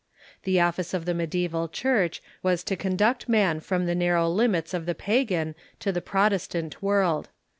The office of the Mediaeval Church was to conduct man from the narrow limits of the Pagan to the Protestant world.